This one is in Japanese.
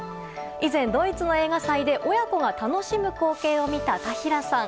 以前、ドイツの映画祭で親子が楽しむ光景を見た田平さん。